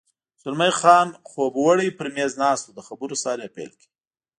زلمی خان خوب وږی پر مېز ناست و، د خبرو سر پیل کړ.